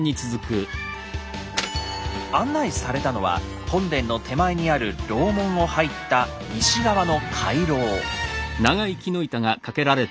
案内されたのは本殿の手前にある楼門を入った西側の回廊。